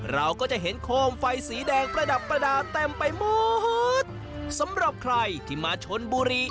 เราก็จะเห็นโคมไฟสีแดงประดับประดาษเต็มไปหมดสำหรับใครที่มาชนบุรี